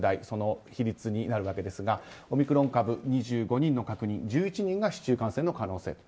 その比率になるわけですがオミクロン株、２５人確認１１人が市中感染の可能性